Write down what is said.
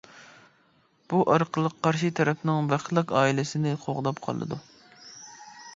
بۇ ئارقىلىق قارشى تەرەپنىڭ بەختلىك ئائىلىسىنى قوغداپ قالىدۇ.